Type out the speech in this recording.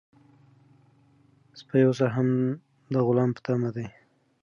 سپی اوس هم د غلام په تمه دی.